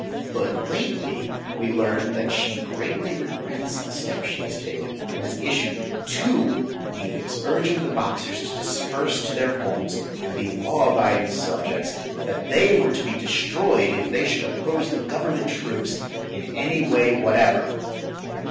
But lately we learn that she greatly regrets the step she has taken, and has issued two edicts urging the Boxers to disperse to their homes and be law abiding subjects, that they were to be destroyed if[Pg 174] they should oppose the government troops in any way whatever.